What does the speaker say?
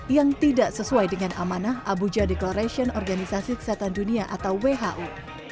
yang tidak sesuai dengan amanah abuja declaration organisasi kesehatan dunia atau who